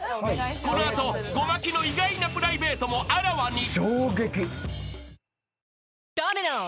［この後ゴマキの意外なプライベートもあらわに］